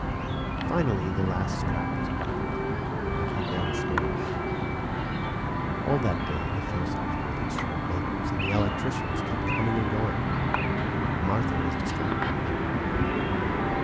Finally the last strap was buckled; I came downstairs. All that day the philosophical instrument makers and the electricians kept coming and going. Martha was distracted.